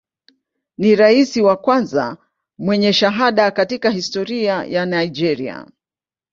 Ni rais wa kwanza mwenye shahada katika historia ya Nigeria.